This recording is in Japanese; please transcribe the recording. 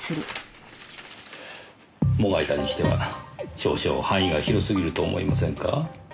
もがいたにしては少々範囲が広過ぎると思いませんか？